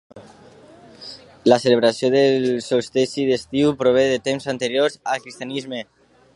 La celebració del solstici d'estiu prové de temps anteriors al cristianisme.